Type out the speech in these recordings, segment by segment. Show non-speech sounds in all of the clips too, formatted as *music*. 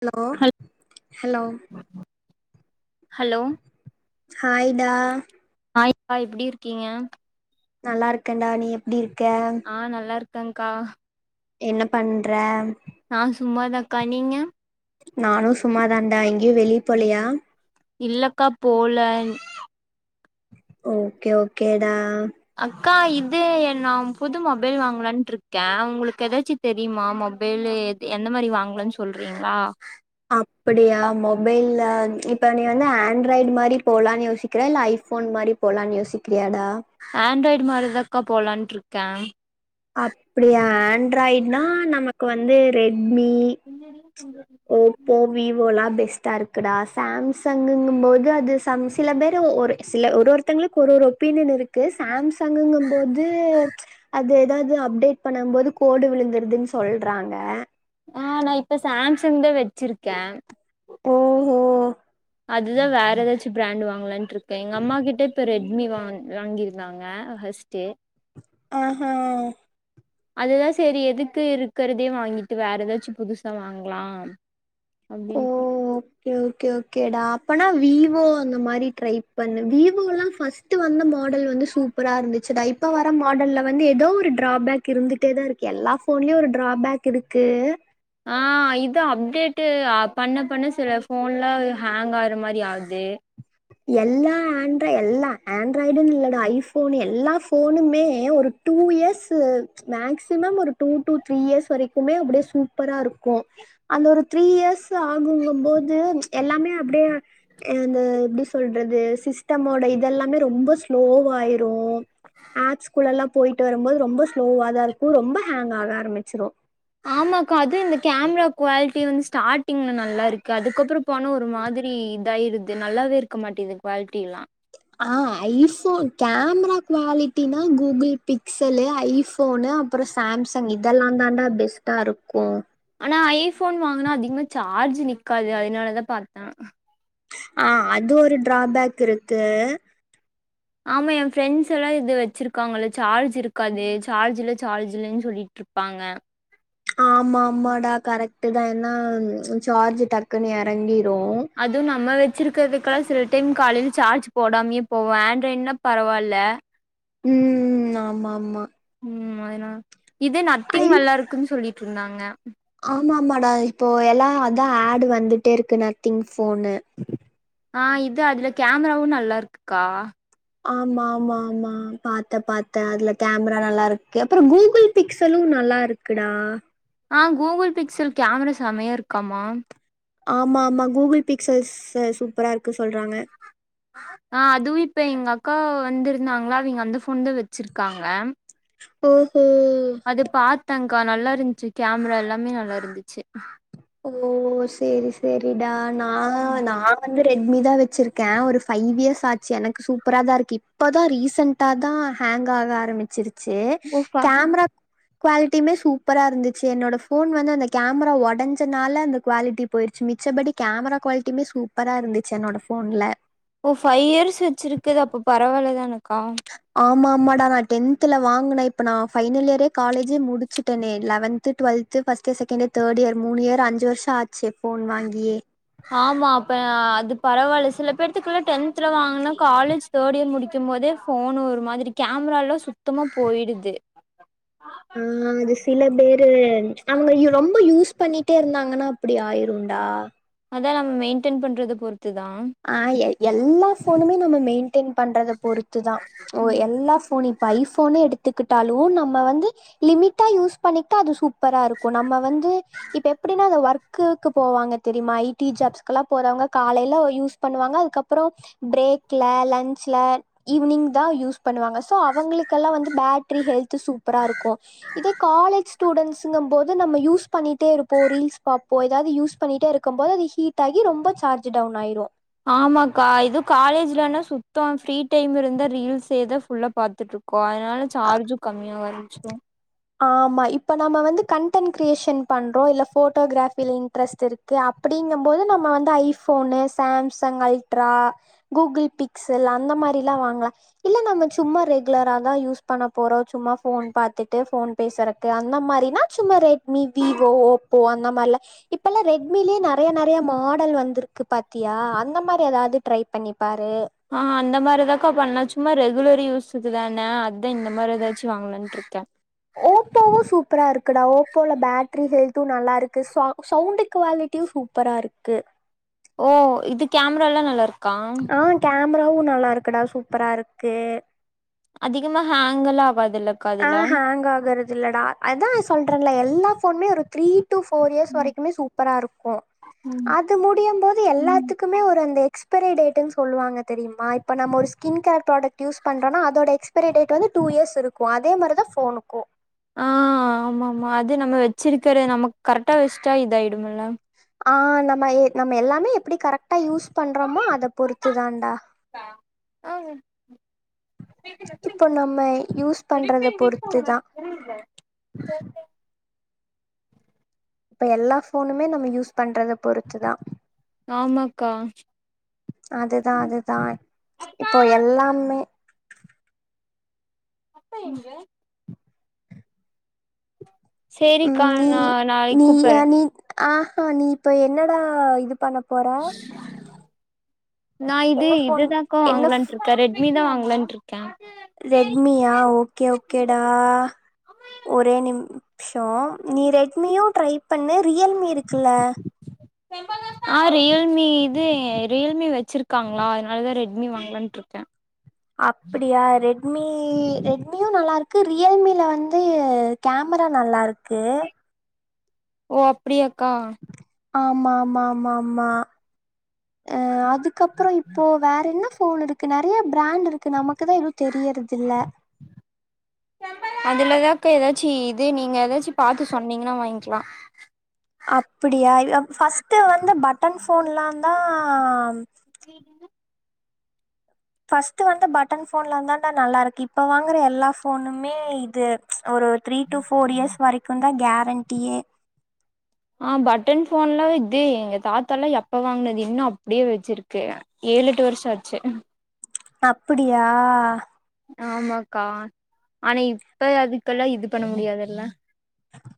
Hello hello hello டா hi *inaudible* எப்டி இருக்கீங்க நல்லாருக்கண்டா நீ எப்டி இரு ஆஹ் நல்லா இருக்கு தங்க்கா என்ன பண்ற நா சும்மா தான்க்கா நீங்க நானும் சும்மாதான்டா எங்கியும் வெளி போலயா இல்லக்கா போல ஓகே ஓகேடா அக்கா இப்ப இது நான் புது மொபைல் வாங்லான்ட்டு இருக்கேன் உங்களுக்கு ஏதாச்சி தெரியுமா மொபைல் எது எந்த மாரி வாங்கலான் சொல்றீங்ளா அப்டியா மொபைல்ல இப்ப நீ வந்து ஆண்ட்ராய்டு மாரி போலான்னு யோசிக்ற இல்ல ஐபோன் மாதிரி போலான்னு யோசிக்கிறியாடா ஆண்ட்ராய்டு மாதிரிதாக்கா போலான் இருக்கா அப்படியா ஆண்ட்ராய்ட்னா நமக்கு வந்து. மி. ஸ்டா இருக்குடா சாம்சங்குங்க போது அது சம் சில பேரு சில ஒரு ஒருத்தங்களுக்கு ஒரு ஒரு. ஒப்பீனீயன் இருக்கு சாம்சங்குங்ம்போது அது. ஏதாவது அப்டேட் பண்ணும் போது கோடு விழுந்துருதுனு சொல்லி. ஆஹ் நான் இப்ப சாம். சங்குதா வச்சிருக்கேன். ஓஹோ. அதுதான் வேற ஏதாச்சும் பிராண்ட் வாங்கலாம்ட்டு இருக்கே. எங்க அம்மா கிட்டப்ப. ம்மி வாங் வாங்கியிருந்தாங்க ஃபர்ஸ்ட்டு. ஆஹஹா. அதுதான் சரி எதுக்கு இருக்குறதே வாங்கிட்டு வேற ஏதாச்சும் புதுசா வாங்கலாம். ஓ அப்டின்டு. ஓகே ஓகே ஓகேடா அப்பனா விவோ அந்த மாதிரி. ட்ரை பண்ணு விவோலாம் ஃபர்ஸ்ட் ஃபஸ்ட்டு வந்த மாடல் வந்து சூப்பரா இருந்துச்சுடா இப்ப வர மாடல்ல வந்து ஏதோ ஒரு டிராபேக் இருந்துட்டே தான் இருக்கு எல்லா போன்லயும் ஒரு டிராபேக் இருக்கு. ஆஹ இது அப்டேட்டு பண்ண பண்ண சில போன்லாம் ஹேங் ஆற மாதிரி ஆகுது. எல்லா ஆண்ட் எல்லா ஆண்ட்ராய்டுன்னு இல்லைடா ஐபோன் எல்லா போனுமே ஒரு டூ இயர்ஸ் மேக்சிமம் ஒரு டூ டூ த்ரீ இயர்ஸ் வரைக்குமே அப்படியே சூப்பரா இருக்கும் அந்த ஒரு த்ரீ இயர்ஸ் ஆகுங்கும்போது எல்லாமே அப்படியே அந்த. சொல்றது சிஸ்டமோட இதெல்லாமே ரொம்ப ஸ்லோவாயிரும் ஆப்ஸ்குள்ள எல்லாம் போயிட்டு வரும்போது ரொம்ப ஸ்லோவா தான் இருக்கும் ரொம்ப ஹேங் ஆக ஆரம்பிச்சிரும். ஆமாக்கா அதுவும் இந்த கேமரா குவாலிட்டி வந்து ஸ்டார்ட்டிங்ல நல்லா இருக்கு அதுக்கப்புறம் போன ஒரு மாதிரி இதாயிருது நல்லாவே இருக்க மாட்டிது குவாலிட்டி எல்லாம். ஆஹ ஐபோன் கேமரா குவாலிட்டினா கூகுள் பிக்சலு ஐபோனு அப்புறம் சாம்சங் இதெல்லாம் தாண்டா பெஸ்ட்டா இருக்கும். ஆனா ஐபோன் வாங்கினா அதிகமா சார்ஜ் நிக்காது அதனாலதான் பாத்தேன். ஆஹ அது ஒரு டிராபேக் இருக்கு. ஆமா என் ஃப்ரெண்ட்ஸ் எல்லாம் இது வச்சிருக்காங்களல்ல சார்ஜ் இருக்காது சார்ஜ்ல சார்ஜ் இலன்னு சொல்லிட்டு இருப்பாங்க. ஆமா ஆமாடா கரெக்ட். ட்டு தான் என்ன சார்ஜ் டக்குன்னு இறங்கி. அதுவும் நம்ம வச்சிருக்கிறதுகாசு டீம் காலேல சார்ஜ் போடாமே போவே ஆண்ட்ராய்ட்னா பரவால்ல. ம் ஆமா ஆமா. ம் அதுனா. இது ஐ நத்திங் நல்லா இருக்குன்னு சொல்லிட் இருந்தாங்க. ஆமா ஆமாடா இப்போ எல்லா அதா ஆட் வந்துட்டே இருக்கு நத்திங் ஃபோனு. ஆ இது அதுல கேமராவும் நல்லா இருக்குக்கா. ஆமா ஆமா ஆமா பாத்த பாத்த அதுல கேமரா நல்லாருக்கு அப்புறோ கூகுள் பிக்சலும் நல்லாருக்குடா. ஆ கூகுள் பிக்சல் கேமரா செமையா இருக்காமா. ஆமா ஆமா கூகுள் பிக்சல்ஸ் அது சூப்பரா இருக்கு சொல்றாங்க. ஆ அதுவும் இப்ப எங்க அக்கா வந்திருந்தாங்களா அவங்க அந்த ஃபோன் தான் வெச்சிருக்காங்க. ஓ. அது பாத் த்தேக்கா நல்லா இருந்துச்சு கேமரா எல்லாமே நல்லா இருந்துச்சு ஓ சேரி சேரிடா நானு நா வந்து ரெட்மி தா வச்சிருக்ககே ஒரு ஃபைவ் இயர்ஸ் ஆச்சு எனக்கு சூப்பரா தா இருக்கு இப்போதா ரீசெண்ட்டா தா ஹேங் ஆக ஆரம்பிச்சிரு சு ஓ ஃப கேமரா குவாலிட்டியுமே சூப்பரா இருந்துச்சு என்னோட போன் வந்து அந்த கேமரா ஒடஞ் ச்சனாள அந்த குவாலிட்டி போயிருச்சு மிச்சபடி கேமரா குவாலிட்டியுமே சூப்பரா இருந்துச்சி என்னோட போன்ல ஓ ஃபைவ் இயர்ஸ் வச்சிருக்கது அப்ப பரவால்ல தான கா ஆமா ஆமாடா நா டென்த்ல வாங்குனே இப்ப நா பைனல் இயரே காலேஜே முடிச்சுட்டேனே eleventh twelfth first year second year third year மூணு இயர் அஞ்சு வருஷம் ஆச் ஆமா அப்ப அது பரவால்ல சில பேத்துக்குளா டென்த்ல வாங்குன காலேஜ் தேர்ட் இயர் முடிக் த்தும் போதே போன் ஒரு மாதிரி கேமரால சுத்தமா போயிடுது ஆ அது சில பேரு அவங்க ரொம்ப யூஸ் பண்ணிட்டே இருந்தாங்கன்னா அப்டி ஆயிரும்டா அத நம் மெயின்டயின் பண்றது பொறு த்துதான் ஆ எ எல்லா போனுமே நம்ம மெயின் மெயின்டைன் பண்றத பொறுத்துதா ஒ எல்லா போனு இப்போ ஐபோனே எடுத் த்துகிட்டாலு நம்ம வந்து லிமிட்டா யூஸ் பண்ணிக்கிட்டா அது சூ ப்பரா இருக்கு நம்ம வந்து இப்ப எப்டின்னா இந்த ஒர்க் க்குக்கு போவாங்க தெரியுமா ஐ டி ஜாப்ஸ்க்கு எல்லா போறவங்க காலையில யூஸ் பன்வாங்க அதுக்கப்றம் ப்ரேக்ல லன்ச்ல ஈவினிங் தா யூஸ் பண்ணுவாங்க சோ அவங்களுக்கெல்லா வந்து பேட்டரி ஹெல்த்து சூப்பரா இருக்கு இதே காலேஜ் ஸ்டூடன்ஸ்கும் போது நம்ம யூஸ் பண்ணிட்டே இருப்போ ரீல்ஸ் பாப்போ எதாவது யூஸ் பண்ணிட்டே இருக்கும் போது அது ஹீட் ஆகி ரொம்ப சார்ஜ் டவுன் ஆயிடு ஆமாக்கா இது காலேஜ்லனா சுத்தம் ஃப்ரீ டைம் இருந்தா ரீல்ஸ் ஏதா ஃபுல்லா பாத்துட்ருக் கு அதனால சார்ஜும் கம்மியாக ஆரம்பிச்சிடு ஆமா இப்ப நம்ம வந்து கண்டடன்ட் கிரியேஷன் பண்றோ இல்ல போட்டோகிராஃபில இன்ட்ரெஸ்ட் இருக்கு அப்படிங்கம் போது நம்ம வந்து iPhone Samsung Ultra Google Pixel அந்த மாரிலா வாங்கலா இல்ல நம்ம சும்மா ரெகுலரா தா யூஸ் பண்ண போறோ சும்மா போன் பாத்துட்டு போன் பேசுறக்கு அந்த மாரினா சும்மா ரெட்மி விவோ ஓப்போ அந்த மாரிலா இப்பலா ரெட் உண்மைலே நெறைய நெறைய மா மாடல் வந்திருக்கு பாத்தியா அந்த மாரி ஏதாவது ட்ரை பண்ணி பாரு. ஆ அந்த மாரிதாக்கா பண்ண சும்மா ரெகுலர் கு யூசுக்கு தான அதா இந்த மாரி ஏதாச்சும் வாங்கலான்ட்ருக்கே ஓப்போவு சூப்பரா இருக்குடா ஓப்போல பேட்டரி ஹெல்த்தும் நல்லா இருக்கு ச சவுண்டு் குவாலிட்டியு சூப்பரா இருக்கு ஓ இது கேமரா எல்லா நல்லா இருக் ஆ கே கேமராவும் நல்லா இருக்குடா சூப்பரா இருக்கு அதிகமா ஹேங்கலா ஆஹ ஹேங் ஆகறது இல்லடா அதா சொல்றேன்ல எல்லா ஃபோனுமே ஒரு த்ரீ டூ ஃபோர் இயர்ஸ் ம் வரைக்குமே சூப்பரா இருக்கு ம் ம் எக்ஸ்பெரே டேட்டுன் சொல்லுவாங்க தெரியுமா இப்ப நம்ம ஒரு ஸ்கின் கேர் ப்ராடக்ட் யூஸ் பண்றோனா அதோட எக்ஸ்பெரே டேட் வந்து டூ இயர்ஸ் இரு அதே மாரி தா ஃபோனுக்கு ஆ ஆமா ஆமா அது நம்ம வெச்சிருக்கற நமக் கரட்டா வெச்சிட்டா இதாயி இவுங்கெல்லா ஆ நம்ம நம்ம எல்லாமே எப்டி கரெக்டா யூஸ் பண்றமோ அத பொறுத்து தாண்டா ஆ இப்போ *unintelligible* நம்ம யூஸ் பண்றத எப்புடி பொறுத்து தான். *unintelligible* இப்ப எல்லா ஃபோனுமே நம்ம யூஸ் பண்றத பொறுத்து தா ஆமாக்கா அதுதா அதுதா இப்போ எல்லாமே அப்பா எங்க ம் சேரிக்கா நான் நாளைக் கூப்புட்றே ஆஹான் நீ இப்ப என்னடா இது பண்ண போற நா இது என்ன ஃபோன் இதுதாங்க்கா என்ன ஃப்- வாங்லான்ட்ருக்கேன் ரெட்மி தான் வாங்கலான்ட்ரு ரெட்மியா ஓகே ஓகேடா ஒரே நிம் ஸோ நீ ரெட்மியா ட்ரைப் பண்ண ரியல்மி இருக்குல்ல ஆ ரியல்மி இது ரியல்மி வச்சிருக்காங்ளா அதனாலதா ரெட்மி வாங்லான்ட்ருக்கே அப்படியா ரெட்மீ ரெட்மியூ நல்லாருக்கு ரியல்மில வந்தூ கேம்ரா நல்லாருக்கூ ஓ அப்டிய கா ஆமா ஆமா ஆமா ஆம்மா அஹ அது இதுக்கப்புறோ இப்போ வேற என்னஸ் ஃபோன் இருக்கு நெறயே பிராண்ட் இருக்கு நமக்குதா எரு தெரியற்தில்லே அதுலதாக்க ஏதாச்சீ இது நீங்க எதாச்சு பாத்து சொன்னிங்னா வாங்க்கிலா அப்பிடியா இதுதான் ஃபர்ஸ்ட் வந்து பட்டன் போன்ல்லான் தான் ஆ என *inaudible* பஸ்ட்டு வந்து பட்டன் போன்லன்ளா தான்டான் நல்லா இருக்கி இப்ப வாங்குற எல்லாப் போனும்மே இது ஒரு த்ரீ டூ ஃபோர் இயர்ஸ் வரைக்கும் தான் கேப் வண்ட்டியே ஆஹ் பட்டன் போன்லா இத்தூ எங்க தாத்தால்லா எப்ப வாங்னது இன்னூ அப்படியே வெச்சிருக்கு ஏழு எட்டு வருஷ்ஷோ ஆச்சு அப்படியா ஆமாக்கா ஆனா இப்ப அதுக்கெல்லாம் இது பண்ண முடியாதுல்ல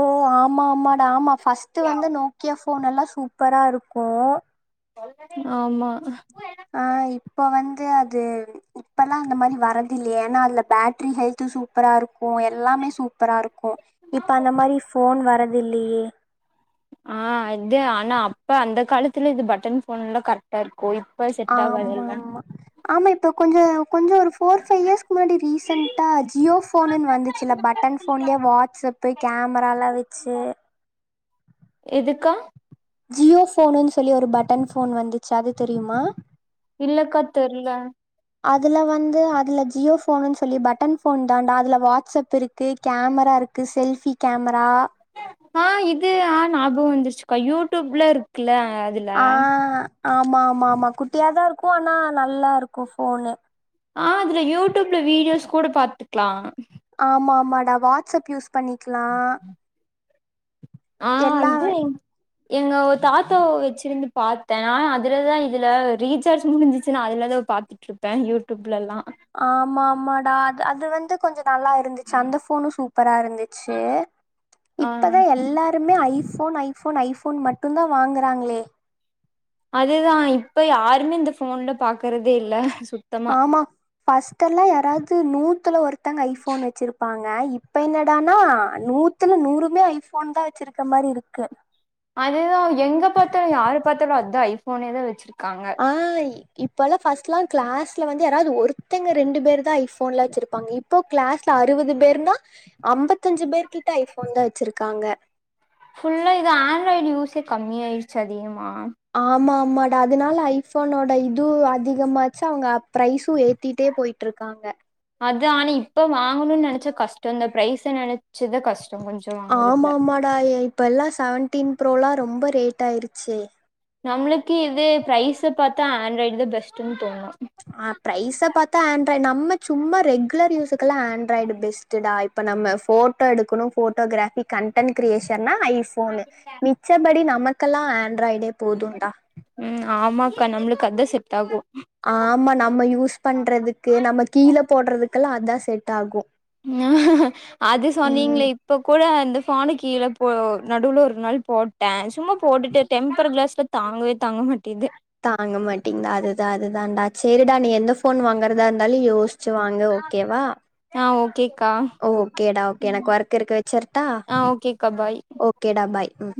ஓ ஆமா ஆமாட ஆமா ஃபஸ்ட்டு வந்து நோக்கியா இப்போ நல்லாம் சூப்பராக இருக்கும் ஆமா ஆஹ் இப்ப வந்து அது இப்பல்லாம் அந்த மாதிரி வரது இல்லையே ஏன்னா அதுல பேட்டரி ஹெல்தும் சூப்பரா இருக்கும் எல்லாமே சூப்பரா இருக்கும் இப்ப அந்த மாதிரி போன் வர்து இல்லையே ஆஹ் இது ஆனா அப்ப அந்த காலத்துல இது பட்டன் போன் எல்லாம் கரெக்டா இருக்கு இப்ப செட் ஆமா ஆகாதுல்ல ஆமா ஆமா இப்ப கொஞ்சம் கொஞ்சம் ஒரு போர் ஃபைவ் இயர்ஸ்க்கு முன்னாடி ப்ரெசென்ட ஜியோ போனுன்னு வந்துச்சுல்ல பட்டன் போன்லயே வாட்ஸ்ப்பு கேமரா எல்லம் வச்சு எதுக்கா ஜியோ போனுன்னு சொல்லி ஒரு பட்டன் போன் வந்துச்சு அது தெரியுமா இல்லக்க தெரில அதுல வந்து அதுல ஜியோ போனுன்னு சொல்லி பட்டன் போன் தான்டா அதுல வாட்ஸ்ப் இருக்கு கேமரா இருக்கு செல்ஃபி கேமரா ஆஹ் இது ஆஹ் ஞாபகம் வந்துருச்சுக்கா யூடியூப்ல இரு இருக்குல அதுல ஆ ஆமா ஆமா ஆமா குட்டியாதான் இருக்கும் ஆனா நல்லா இருக்கும் ஃபோன்னு ஆஹ் அதுல யூடியூப்ல வீடியோஸ் கூட பாத்துக்கலாம் ஆமா ஆமாடா வாட்ஸ்அப் யூஸ் பண்ணிக்கலாம் ஆஹ் அது எங்க தாத்தாவ வெச்சுருந்து பாத்தேன் நான் அதில தான் இதில ரீசார்ஜ் முடிஞ்சிச்சுன்னா அதில தான் பாத்துட்டுருப்பேன் யூடியூப்லாம் ஆமா ஆமாடா அ அது வந்து கொஞ்சம் நல்லா இருந்துச்சு அந்த ஃபோனும் சூப்பரா இருந்துச்சு ஆ இப்பதான் எல்லாரரு மே ஐபோன் ஐபோன் ஐபோன் மட்டும் தான் வாங்குறாங்களே அதுதான் இப்ப யாருமே இந்த போன்ல பாக்குறதே இல்ல சுத்தமா ஆம்மா ஃபஸ்ட்டல்லாம் யாராவது நூத்துல ஒருத்தங்க ஐபோன் வச்சிருப்பாங் இப்ப என்னடானா நூத்துல நூறுமே ஐபோன் தான் வச்சிருக்க மாரி இருக்கு அததுதான் எங்க பார்த்தாலும் யாரு பார்த்தாலும் அதுான் ஐபோனேதான்ச்ச ஆய் இப்பல்லாம் ஃபஸ்ட்லாம் கிளாஸ்ல வந்து யாராவது ஒருத்தங்க ரெண்டு பேர் தான் ஐ ஃபோன்லா வச்சிருப்பாங்க இப் இப்போ கிளாஸ்ல அறுவது பேர்னா ஐம்பத்தஞ்சு பேரு கிட்ட ஐபோன் தான் வச்சிருக்காங்க ஃபுல்லா இது ஆண்ட்ராய்டு யூஸே கம்மியார்ச்சு அதிகமா ஆம்மாம் *unintelligible* அதனால ஐஃபோனோட இதுவும் அதிகமாச்சா அவுங்க ப்ரைஸும் ஏத்திட்டே போய்ட்டுருக்காங்க அது ஆனா இப்ப வாங்கணும்னு நெைச்சா கஷ்டம் இந்த பிரரைஸை நினைச்சத கஷ்டம் ஆமா ஆமாடா இப்ப எல்லாம் சவன்டீன் ப்ரோலா ரொம்ப ரலேட் ஆயிடுச்சு நம்மளுக்கு இது ப்ரைஸ பாத்தா ஆண்ட்ராய்டு தான் பெஸ்ட்ன்னு தோணும் இப்ப நம்ம சும்மா ரெகுலர் யூஸுக்கெல்லாம் ஆண்ட்ராய்டு பெஸ்ட்டுடா இப்ப நம்ம ஃபோட்டோ எடுக்கணும் ஃபோட்டோகிராபி கன்டன் க்ரியேஷன்னா ஐஃபோனு மிச்சபடி நமக் கெல்லாம் ஆண்ட்ராய்டே போதும்ண்டா உம் ஆமாக்கா நம்மளுக்கு அதான் செட்டாகும் ஆமா நம்ம யூஸ் பண்றதுக்கு நம்ம கீழே போடுறதுக்குெல்லாம் அதான் செட் ஆகும். அது ம் சொன்னீங்களே இப்ப கூட அந்த நானும் கீழ போ நடுவுல ஒரு நாள் போட்டேன் சும்மா போட்டுட்டு டெம்பர் கிளாஸ்லா தாங்கவே தாங்க மாட்டிது தாங்க மாட்டேங்குதா அதுதான் அதுதான்டா சேரிடா நீ எந்த போன் வாங்கறதா இருந்தாலும் யோஸ் யோச்சு வாங்கு ஓக்கேவா. ஆ ஓகேக்கா ஓக்கேடா ஓக்கே எனக்கு ஒர்க் இருக்கு வச்சர்ட்டா. ஆ ஓகேக்கா பாய் ஓக்கேடா பாய் உம்.